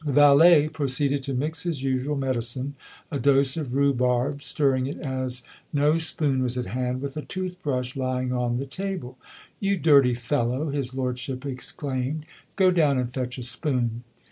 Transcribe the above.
The valet proceeded to mix his usual medicine, a dose of rhubarb, stirring it, as no spoon was at hand, with a tooth brush lying on the table. "You dirty fellow!" his lordship exclaimed. "Go down and fetch a spoon."